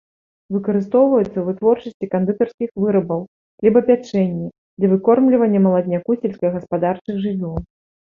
Выкарыстоўваюцца ў вытворчасці кандытарскіх вырабаў, хлебапячэнні, для выкормлівання маладняку сельскагаспадарчых жывёл.